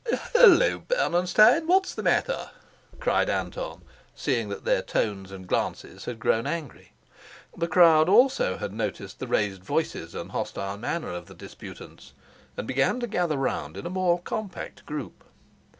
"Hallo, Bernenstein, what's the matter?" cried Anton, seeing that their tones and glances had grown angry. The crowd also had noticed the raised voices and hostile manner of the disputants, and began to gather round in a more compact group.